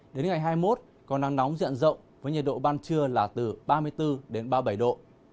đến ngày hai mươi một có nắng nóng diện rộng với nhiệt độ ban trưa là từ ba mươi bốn đến ba mươi bảy độ